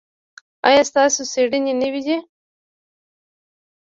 ایا ستاسو څیړنې نوې دي؟